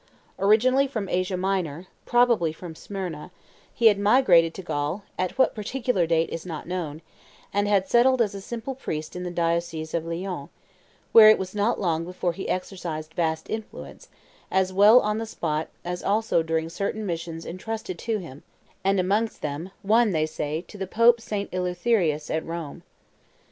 Originally from Asia Minor, probably from Smyrna, he had migrated to Gaul, at what particular date is not known, and had settled as a simple priest in the diocese of Lyons, where it was not long before he exercised vast influence, as well on the spot as also during certain missions intrusted to him, and amongst them one, they say, to the Pope St. Eleutherius at Rome.